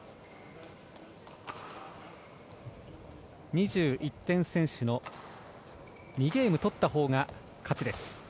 ２１点先取の２ゲーム取ったほうが勝ちです。